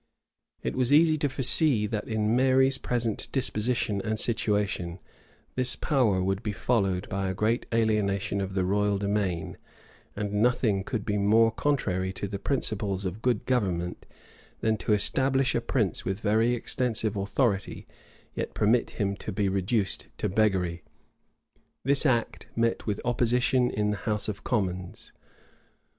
It was easy to foresee that, in Mary's present disposition and situation, this power would be followed by a great alienation of the royal demesnes; and nothing could be more contrary to the principles of good government, than to establish a prince with very extensive authority, yet permit him to be reduced to beggary. This act met with opposition in the house of commons.